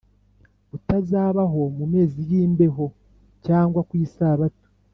kutazabaho mu mezi y imbeho cyangwa ku isabato